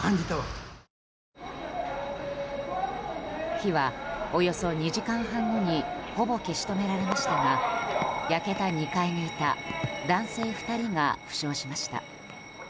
火は、およそ２時間半後にほぼ消し止められましたが焼けた２階にいた男性２人が負傷しました。